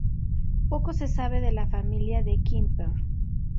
Poco se sabe de la familia de Quimper.